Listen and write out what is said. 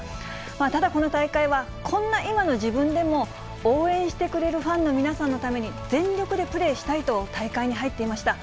ただこの大会は、こんな今の自分でも、応援してくれるファンの皆さんのために、全力でプレーしたいと大会に入っていました。